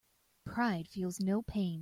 Pride feels no pain.